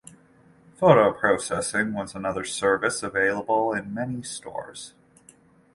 Photo processing was another service available in many stores.